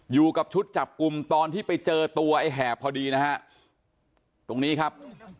อยู่กับชุดจับกลุ่มตอนที่ไปเจอตัวไอ้แหบพอดีนะฮะตรงนี้ครับ